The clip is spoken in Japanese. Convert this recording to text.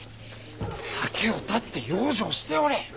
酒を断って養生しておれ！